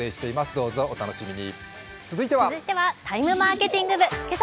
どうぞお楽しみに。